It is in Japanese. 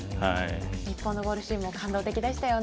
日本のゴールシーンも感動的でしたよね。